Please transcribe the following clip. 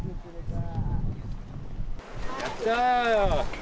やったー！